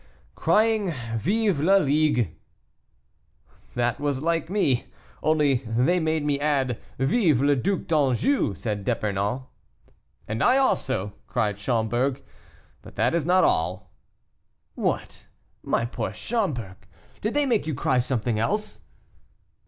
"Crying, 'Vive la Ligue!'" "That was like me; only they made me add, 'Vive le Duc d'Anjou!'" said D'Epernon. "And I also," cried Schomberg; "but that is not all." "What, my poor Schomberg, did they make you cry something else?"